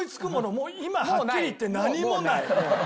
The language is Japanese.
もう今はっきり言って何もない。